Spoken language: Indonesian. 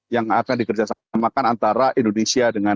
yang akan dikerjasamakan antara indonesia dengan